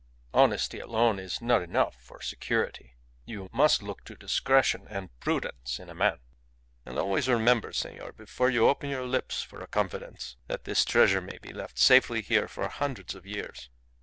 Honesty alone is not enough for security. You must look to discretion and prudence in a man. And always remember, senor, before you open your lips for a confidence, that this treasure may be left safely here for hundreds of years.